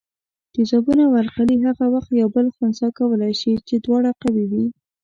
تیزابونه او القلي هغه وخت یو بل خنثي کولای شي چې دواړه قوي وي.